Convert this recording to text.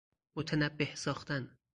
متنبه ساختن